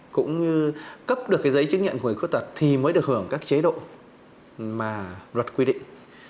cũng như cấp được giấy chứng nhận của người khuyết tật thì mới được hưởng các chế độ mà luật quy định